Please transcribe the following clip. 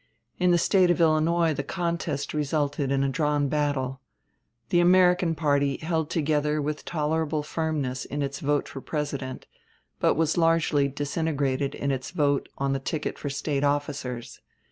In the State of Illinois the contest resulted in a drawn battle. The American party held together with tolerable firmness in its vote for President, but was largely disintegrated in its vote on the ticket for State officers.